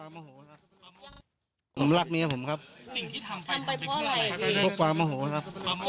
ผมรักเมียผมครับทำไปเพราะอะไรภพความโอโหครับ